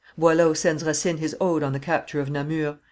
Boileau sends Racine his ode on the capture of Namur.